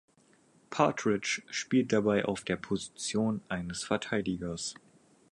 Partridge spielte dabei auf der Position eines Verteidigers.